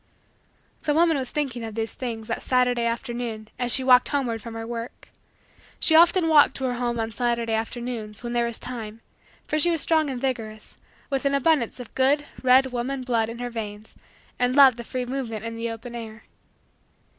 The woman was thinking of these things that Saturday afternoon as she walked homeward from her work. She often walked to her home on Saturday afternoons, when there was time, for she was strong and vigorous, with an abundance of good red woman blood in her veins, and loved the free movement in the open air.